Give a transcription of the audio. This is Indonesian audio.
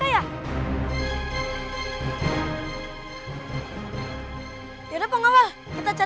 hei berhenti ayo kejar jar